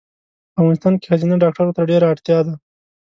په افغانستان کې ښځېنه ډاکټرو ته ډېره اړتیا ده